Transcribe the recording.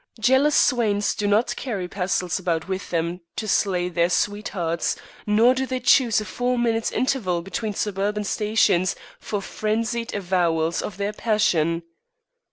Jealous swains do not carry pestles about with them to slay their sweethearts, nor do they choose a four minutes' interval between suburban stations for frenzied avowals of their passion.